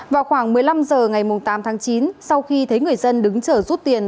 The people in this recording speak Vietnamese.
vào khoảng một mươi năm h ngày tám tháng chín sau khi thấy người dân đứng chở rút tiền